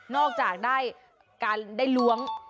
นอกจากได้จากได้ล้วง